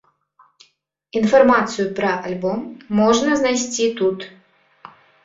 Інфармацыю пра альбом можна знайсці тут.